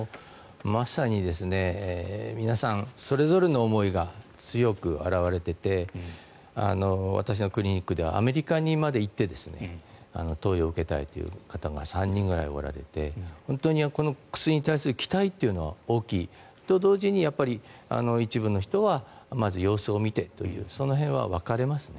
まさに皆さんそれぞれの思いが強く表れていて私のクリニックではアメリカにまで行って投与を受けたいという方が３人ぐらいおられて本当に薬に対する期待というのは大きい。と同時に一部の人はまず様子を見てというその辺は分かれますね。